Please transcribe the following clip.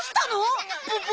ププ！